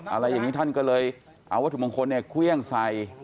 อะไรอย่างนี้ท่านก็เลยเอาวัตถุมงคลเนี่ยเครื่องใส่